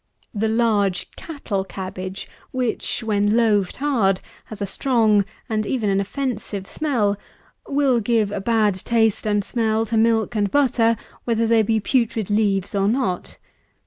The large cattle cabbage, which, when loaved hard, has a strong and even an offensive smell, will give a bad taste and smell to milk and butter, whether there be putrid leaves or not.